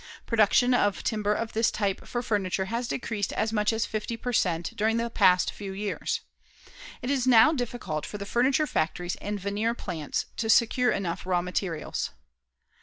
Production of timber of this type for furniture has decreased as much as 50 per cent. during the past few years. It is now difficult for the furniture factories and veneer plants to secure enough raw materials.